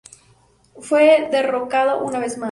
Fue derrocado una vez más.